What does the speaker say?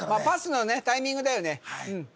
パスのねタイミングだよね